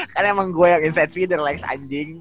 kan emang gue yang inside feeder lex anjing